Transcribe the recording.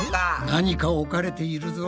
何か置かれているぞ。